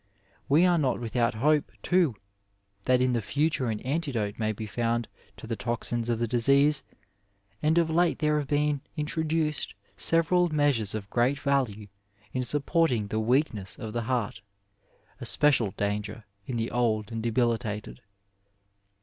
We aie not without hope, too, that in the future an antidote may be found to the toxins of thedisease, and of late there have been introduced several measures of great value in supporting the weakness of the heart, a special danger in the old and debilitated.